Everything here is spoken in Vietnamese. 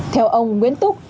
theo ông nguyễn túc